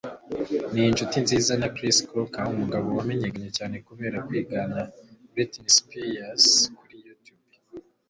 Ni inshuti nziza na Chris Crocker, umugabo wamenyekanye cyane kubera kwigana Britney Spears kuri YouTube.